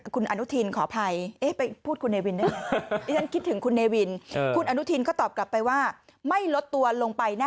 คุณอนุทินขออภัยไปพูดคุณเนวินได้ไง